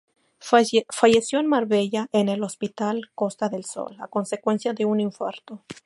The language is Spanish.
Falleció en Marbella, en el Hospital Costa del Sol, a consecuencia de un infarto.